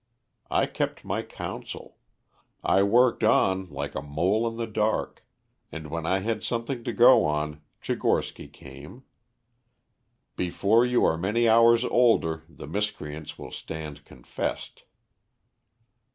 I kept my counsel; I worked on like a mole in the dark; and when I had something to go on, Tchigorsky came. Before you are many hours older the miscreants will stand confessed."